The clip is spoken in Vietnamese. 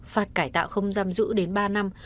phạt cải tạo không giam giữ đến ba năm